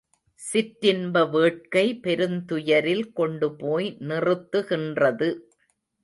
சிற்றின்ப வேட்கை பெருந்துயரில் கொண்டு போய் நிறுத்துகின்றது.